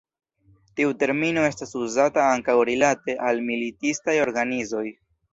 Tiu termino estas uzata ankaŭ rilate al militistaj organizoj.